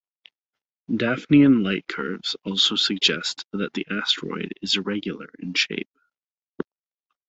Daphnean lightcurves also suggest that the asteroid is irregular in shape.